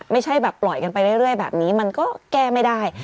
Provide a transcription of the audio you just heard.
ไม่ใช่แบบปล่อยกันไปเรื่อยแบบนี้มันก็แก้ไม่ได้